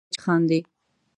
هغه جېب وهونکی چې خاندي.